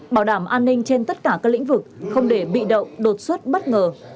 bảo đảm an ninh trên tất cả các lĩnh vực không để bị động đột xuất bất ngờ